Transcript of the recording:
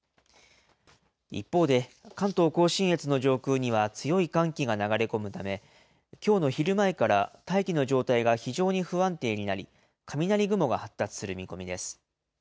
一方で、関東甲信越の上空には強い寒気が流れ込むため、きょうの昼前から、大気の状態が非常に不安定になり、雷雲が発達する見込みです。